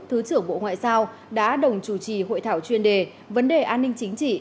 thứ trưởng bộ ngoại giao đã đồng chủ trì hội thảo chuyên đề vấn đề an ninh chính trị